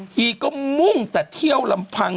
ีก็มุ่งแต่เที่ยวลำพัง